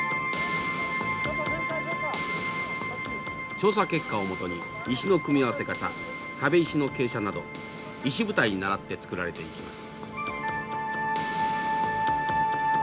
調査結果をもとに石の組み合わせ方壁石の傾斜など石舞台にならって造られていきます。